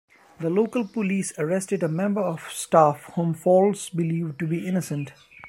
The local police arrested a member of staff whom Faulds believed to be innocent.